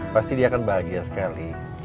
pasti dia akan bahagia sekali